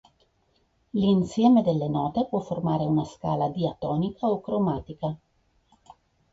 L'insieme delle note può formare una scala diatonica o cromatica.